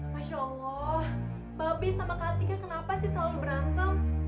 masya allah babi sama kak atika kenapa sih selalu berantem